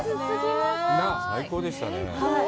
最高でしたね。